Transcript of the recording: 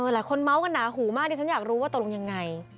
หลายคนเมาส์กันหนาหูมากดิฉันอยากรู้ว่าตกลงยังไง